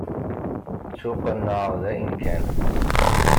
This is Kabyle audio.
Ttuqennɛeɣ dayen kan.